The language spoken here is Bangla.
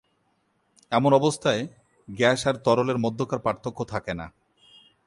এমন অবস্থায়, গ্যাস আর তরলের মধ্যকার পার্থক্য থাকে না।